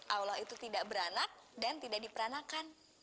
allah itu tidak beranak dan tidak diperanakkan